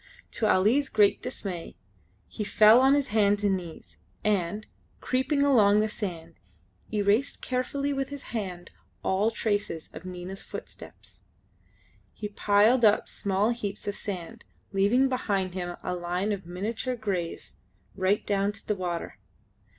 To Ali's great dismay he fell on his hands and knees, and, creeping along the sand, erased carefully with his hand all traces of Nina's footsteps. He piled up small heaps of sand, leaving behind him a line of miniature graves right down to the water.